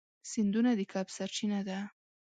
سیندونه د کب سرچینه ده.